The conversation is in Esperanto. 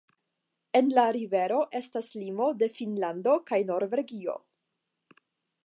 En la rivero estas limo de Finnlando kaj Norvegio.